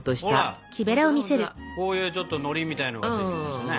こういうちょっとのりみたいなのがついてきましたね。